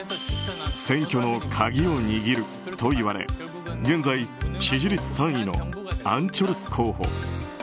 選挙の鍵を握るといわれ現在、支持率３位のアン・チョルス候補。